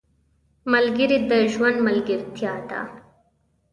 ملګري د ژوند ملګرتیا ده.